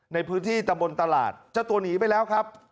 ในพื้นที่ตำบลตลาดเจ้าตัวหนีไปแล้วครับ